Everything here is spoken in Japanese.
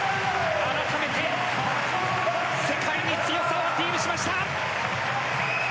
改めて世界にアピールしました。